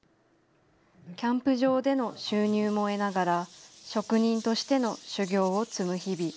キャンプ場での収入も得ながら、職人としての修業を積む日々。